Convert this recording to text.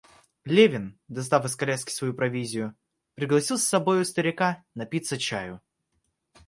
Левин, достав из коляски свою провизию, пригласил с собою старика напиться чаю.